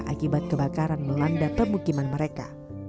akibat kebakaran melanda pemukiman mereka